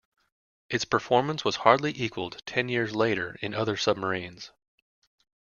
Its performance was hardly equaled ten years later in other submarines.